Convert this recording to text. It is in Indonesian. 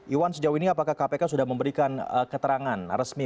iwan sejauh ini apakah kpk sudah memberikan keterangan resmi